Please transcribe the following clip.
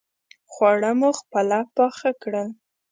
خواړه مو خپله پاخه کړل.